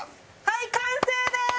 はい完成です！